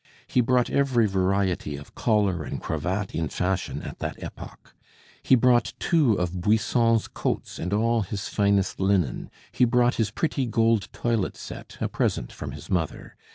He brought every variety of collar and cravat in fashion at that epoch. He brought two of Buisson's coats and all his finest linen He brought his pretty gold toilet set, a present from his mother.